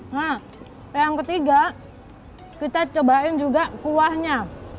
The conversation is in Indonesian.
nah yang ketiga kita cobain juga kuahnya